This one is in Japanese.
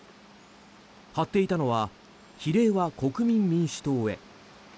貼っていたのは比例は国民民主党へ。